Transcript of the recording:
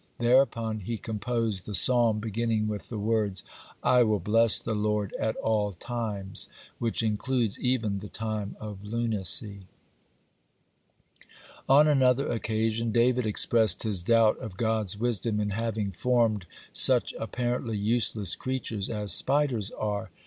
Thereupon he composed the Psalm beginning with the words, "I will bless the Lord at all times," which includes even the time of lunacy. (46) On another occasion David expressed his doubt of God's wisdom in having formed such apparently useless creatures as spiders are.